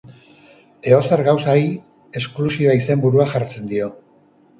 Edozer gauzari esklusiba izenburua jartzen dio.